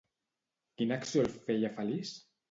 Quina acció el feia feliç?